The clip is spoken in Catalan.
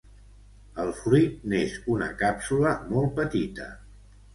El fruit n'és una càpsula molt petita.